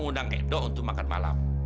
mau undang edo untuk makan malam